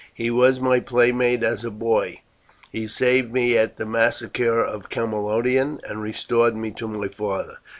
He was my playmate as a boy; he saved me at the massacre of Camalodunum, and restored me to my father.